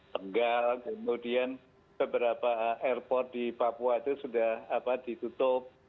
tenggal kemudian beberapa airport di papua itu sudah ditutup